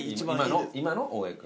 今の大江君。